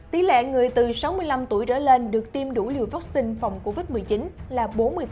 tỷ lệ người từ sáu mươi năm tuổi trở lên được tiêm đủ liều vaccine phòng covid một mươi chín là bốn mươi